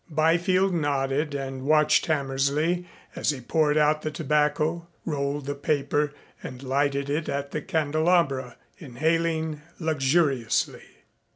Byfield nodded and watched Hammersley as he poured out the tobacco, rolled the paper and lighted it at the candelabra, inhaling luxuriously.